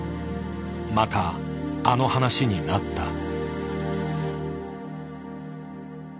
またあの話になった。